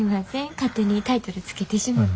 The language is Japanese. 勝手にタイトル付けてしもて。